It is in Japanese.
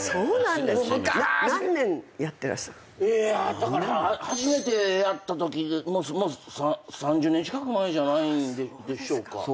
だから初めてやったとき３０年近く前じゃないんでしょうか。